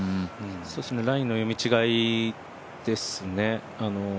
ラインの読み違いですね。